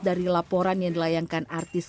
dari laporan yang dilayangkan artis